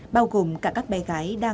bao gồm cả các bé gái